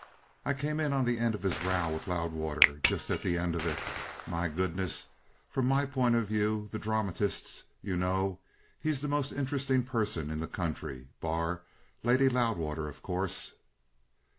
I came in on the end of his row with Loudwater just the end of it my goodness! From my point of view, the dramatist's, you know, he's the most interesting person in the county bar Lady Loudwater, of course."